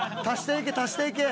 足していけ！